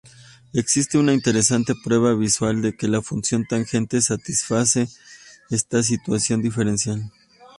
Existe una interesante prueba visual de que la función tangente satisface esta ecuación diferencial.